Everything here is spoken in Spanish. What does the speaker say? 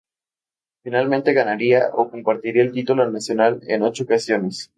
Finalmente, ganaría o compartiría el título nacional en ocho ocasiones.